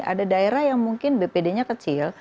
ada daerah yang mungkin bpd nya kecil